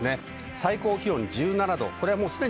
最高気温１７度。